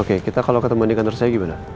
oke kita kalau ketemu di kantor saya gimana